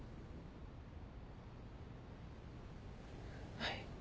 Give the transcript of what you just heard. はい。